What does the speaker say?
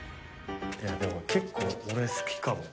でも結構俺好きかも。